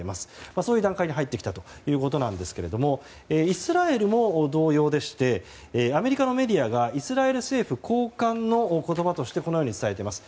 そういう段階に入ってきたということですがイスラエルも同様でしてアメリカのメディアがイスラエル政府高官の言葉としてこのように伝えています。